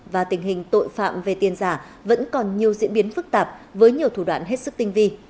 và tình hình tội phạm về tiền giả vẫn còn nhiều diễn biến phức tạp với nhiều thủ đoạn hết sức tinh vi